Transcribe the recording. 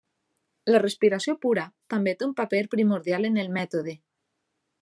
La respiració pura també té un paper primordial en el mètode.